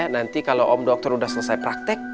nanti kalo om dokter udah selesai praktek